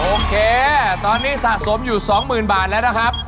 โอเคตอนนี้สะสมอยู่๒๐๐๐บาทแล้วนะครับ